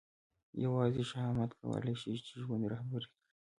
یوازې شهامت کولای شي چې ژوند رهبري کړي.